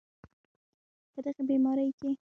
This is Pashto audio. په دغې بیمارۍ کې